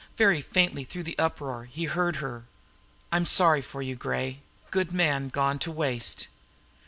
Very faintly through the uproar, he heard her. "I'm sorry for you, Gray. Good man, gone to waste."